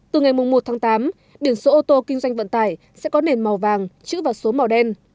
từ ngày một tháng tám biển số ô tô kinh doanh vận tải sẽ có nền màu vàng chữ và số màu đen